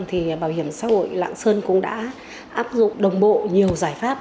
thì bảo hiểm xã hội lạng sơn cũng đã áp dụng đồng bộ nhiều giải pháp